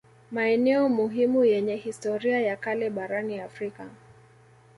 Maeneo muhimu yenye historia ya kale barani Afrika